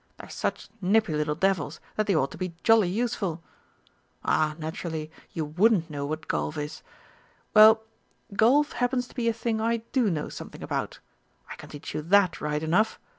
They're such nippy little devils that they ought to be jolly useful.... Ah, naturally, you wouldn't know what Golf is. Well, Golf happens to be a thing I do know something about. I can teach you that right enough.